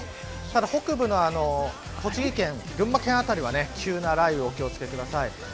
北部の栃木県、群馬県辺りは急な雷雨にお気を付けください。